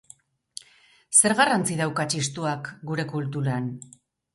Zer garrantzi dauka txistuak guren kulturan?